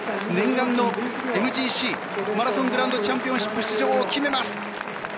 念願のＭＧＣ・マラソングランドチャンピオンシップ出場を決めます。